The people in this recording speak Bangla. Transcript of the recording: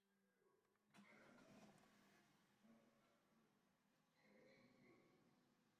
এছাড়াও, পাঁচটি ফুটবল ক্লাবে খেলেছেন তিনি।